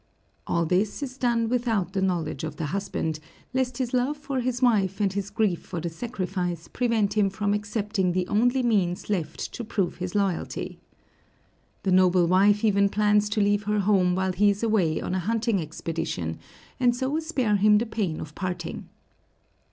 All this is done without the knowledge of the husband, lest his love for his wife and his grief for the sacrifice prevent him from accepting the only means left to prove his loyalty. The noble wife even plans to leave her home while he is away on a hunting expedition, and so spare him the pain of parting.